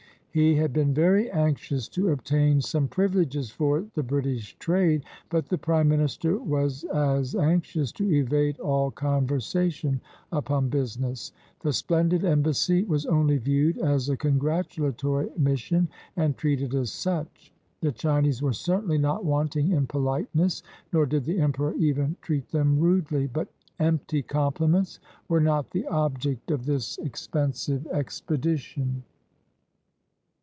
He had been very anxious to obtain some privileges for the British trade, but the prime minister was as anxious to evade all con versation upon business. The splendid embassy was only viewed as a congratulatory mission and treated as such. The Chinese were certainly not wanting in politeness, nor did the emperor even treat them rudely; but empty compliments were not the object of this expensive expedition.